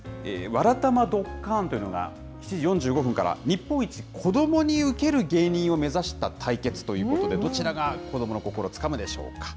わらたまドッカンというのが、７時４５分から、日本一子どもにウケる芸人を目指した対決ということで、どちらが子どもの心をつかむでしょうか。